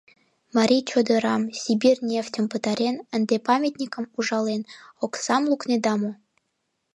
— Марий чодырам, Сибирь нефтьым пытарен, ынде памятникым ужален, оксам лукнеда мо?